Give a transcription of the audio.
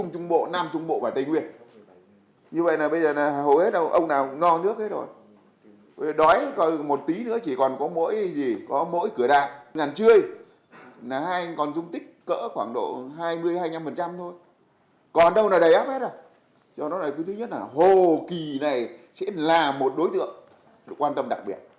hồ kỳ này sẽ là một đối tượng được quan tâm đặc biệt